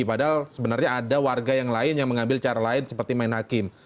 padahal sebenarnya ada warga yang lain yang mengambil cara lain seperti main hakim